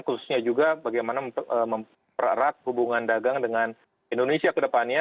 khususnya juga bagaimana mempererat hubungan dagang dengan indonesia kedepannya